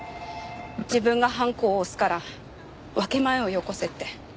自分がハンコを押すから分け前をよこせって。